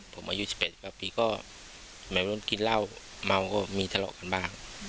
ผมอายุ๑๘กว่าปีก็เหมือนกินเหล้าเมาก็มีทะเลาะกันบ้าง